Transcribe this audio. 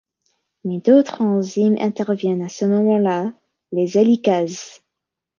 Mais d'autres enzymes interviennent à ce moment-là, les hélicases.